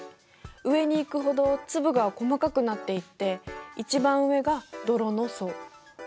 上に行くほど粒が細かくなっていって一番上が泥の層。